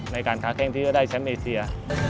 ในการค้าแข้งที่จะได้แชมป์เอเซีย